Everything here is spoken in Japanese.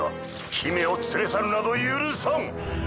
姫を連れ去るなど許さん！